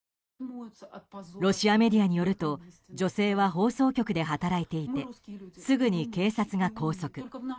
ロシアメディアによると女性は放送局で働いていてすぐに警察が拘束。